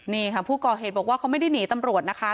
นี่ค่ะผู้ก่อเหตุบอกว่าเขาไม่ได้หนีตำรวจนะคะ